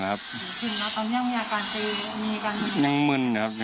ตอนนี้ยังมีอาการมีการแล้ว